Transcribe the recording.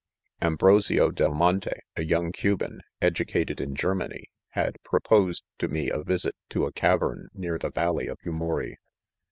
Aobroiiio del Monte, a young* Cuban, educa '...;... i;i Germany (') had proposed tome a visit to \. sijivevn Henr "he valley of Yumuri.